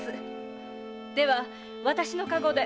では私の駕籠で。